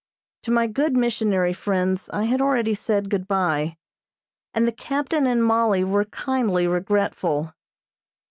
To my good missionary friends I had already said good bye, and the captain and Mollie were kindly regretful.